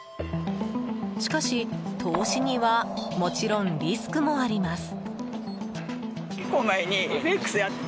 しかし、投資にはもちろんリスクもあります。